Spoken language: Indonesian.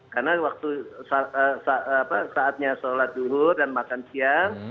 karena saatnya sholat dulu dan makan siang